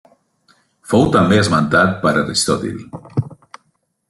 Fou també esmentat per Aristòtil.